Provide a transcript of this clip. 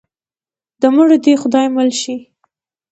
د مړو دې خدای مل شي.